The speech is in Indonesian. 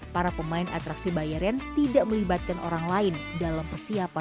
para pemain atraksi bayeren tidak melibatkan orang lain dalam persiapan